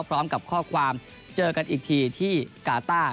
พร้อมกับข้อความเจอกันอีกทีที่กาต้า